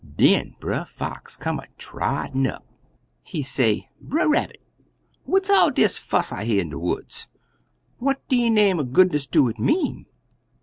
Den Brer Fox come a trottin' up. He say, 'Brer Rabbit, what's all dis fuss I hear in de woods? What de name er goodness do it mean?'